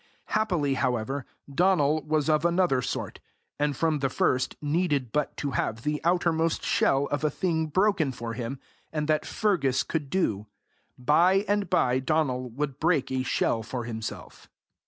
Happily, however, Donal was of another sort, and from the first needed but to have the outermost shell of a thing broken for him, and that Fergus could do: by and by Donal would break a shell for himself.